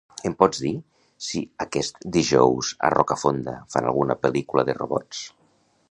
Em pots dir si aquest dijous a Rocafonda fan alguna pel·lícula de robots?